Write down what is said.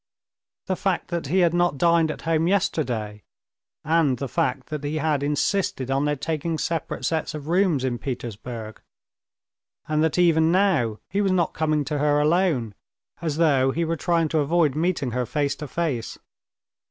The fact that he had not dined at home yesterday, and the fact that he had insisted on their taking separate sets of rooms in Petersburg, and that even now he was not coming to her alone, as though he were trying to avoid meeting her face to face.